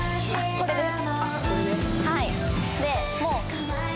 これです。